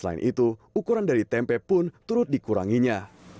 selain itu ukuran dari tempe pun turut dikuranginya